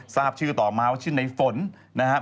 ทราบชื่อต่อมาว่าชื่อในฝนนะครับ